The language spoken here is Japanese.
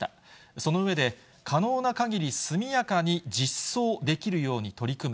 その上で、可能なかぎり速やかに実装できるように取り組む。